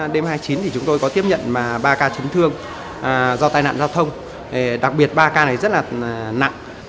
đêm hai mươi chín thì chúng tôi có tiếp nhận ba ca chấn thương do tai nạn giao thông đặc biệt ba ca này rất là nặng